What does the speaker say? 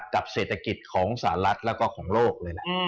กับเศรษฐกิจของสหรัฐแล้วก็ของโลกเลยล่ะ